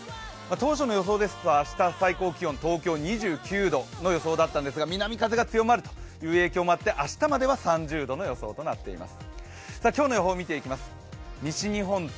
当初の予想ですと、明日、最高気温東京２９度の予想だったんですが南風が強まる影響もあって明日までは３０度の予想となっています。